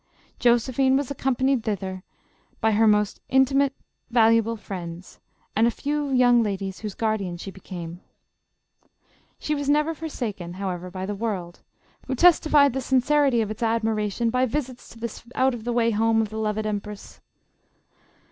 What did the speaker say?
Josephine was accompanied thither by her most in 262 JOSEPHINE. timate, valuable friends, and a few young ladies whose guardian she became. She was never forsaken how ever by the world, who testified the sincerity of its ad miration by visits to this out of the way home of the loved empress.